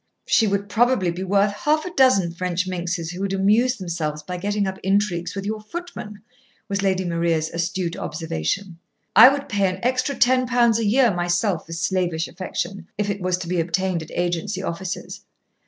"She would probably be worth half a dozen French minxes who would amuse themselves by getting up intrigues with your footmen," was Lady Maria's astute observation. "I would pay an extra ten pounds a year myself for slavish affection, if it was to be obtained at agency offices.